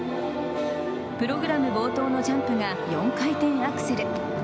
プログラム冒頭のジャンプが４回転アクセル。